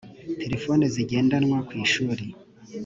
telefoni zigendanwa ku ishuri